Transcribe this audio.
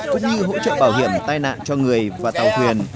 cũng như hỗ trợ bảo hiểm tai nạn cho người và tàu thuyền